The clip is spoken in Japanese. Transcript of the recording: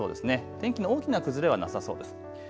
天気の大きな崩れはなさそうです。